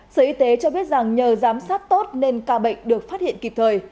sở y tế cho biết rằng nhờ giám sát tốt nên ca bệnh được phát hiện kịp thời